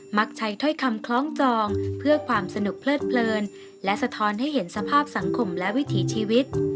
มักใช้ถ้อยคำคล้องจองเพื่อความสนุกเพลิดเพลินและสะท้อนให้เห็นสภาพสังคมและวิถีชีวิต